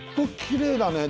きれいだね。